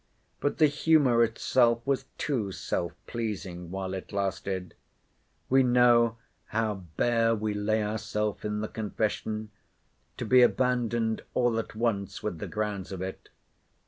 But the humour itself was too self pleasing, while it lasted—we know how bare we lay ourself in the confession—to be abandoned all at once with the grounds of it.